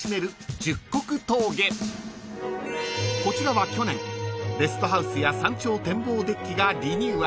［こちらは去年レストハウスや山頂展望デッキがリニューアル］